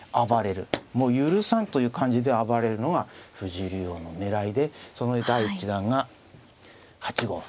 もう許さんという感じで暴れるのが藤井竜王の狙いでその第１弾が８五歩。